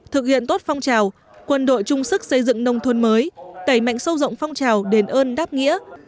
thực hiện tốt phong trào quân đội trung sức xây dựng nông thôn mới đẩy mạnh sâu rộng phong trào đền ơn đáp nghĩa